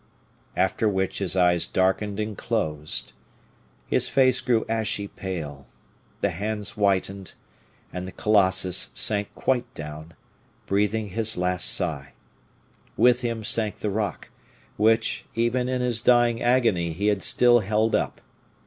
After which his eyes darkened and closed, his face grew ashy pale, the hands whitened, and the colossus sank quite down, breathing his last sigh. With him sank the rock, which, even in his dying agony he had still held up.